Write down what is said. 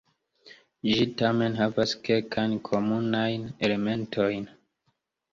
Ĝi tamen havas kelkajn komunajn elementojn.